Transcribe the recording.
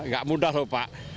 gak mudah lho pak